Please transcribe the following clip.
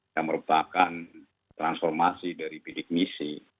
yang merupakan transformasi dari bidik misi